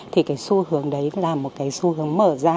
thì cái xu hướng đấy là một cái xu hướng mở ra